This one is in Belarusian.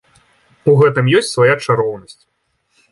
У гэтым ёсць свая чароўнасць.